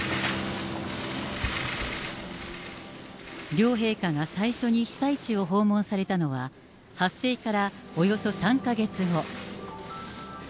両陛下が最初に被災地を訪問されたのは発生からおよそ３か月後。